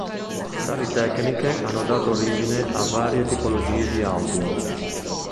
Tali tecniche hanno dato origine a varie tipologie di audio.